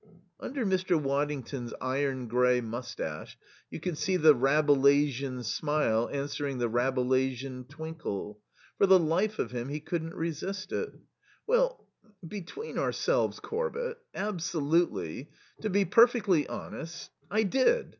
Under Mr. Waddington's iron grey moustache you could see the Rabelaisian smile answering the Rabelaisian twinkle. For the life of him he couldn't resist it. "Well between ourselves, Corbett, absolutely to be perfectly honest, I did.